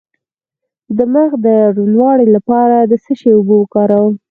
د مخ د روڼوالي لپاره د څه شي اوبه وکاروم؟